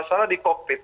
masalah di cockpit